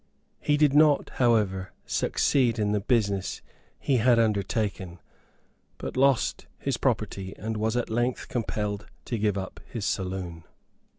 He did not, however, succeed in the business he had undertaken, but lost his property and was at length compelled to give up his saloon.